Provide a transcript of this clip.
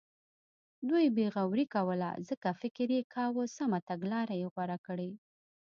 دوی بې غوري کوله ځکه فکر یې کاوه سمه تګلاره یې غوره کړې.